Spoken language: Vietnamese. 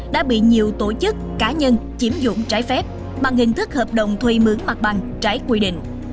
đã bị nhiều tổ chức cá nhân chiếm dụng trái phép bằng hình thức hợp đồng thuê mướn mặt bằng trái quy định